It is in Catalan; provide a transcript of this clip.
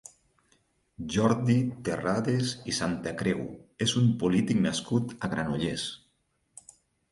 Jordi Terrades i Santacreu és un polític nascut a Granollers.